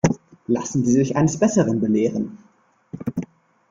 Lassen Sie sich eines Besseren belehren.